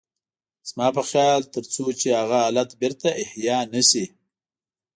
زما په خيال تر څو چې هغه حالت بېرته احيا نه شي.